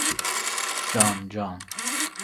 جان جان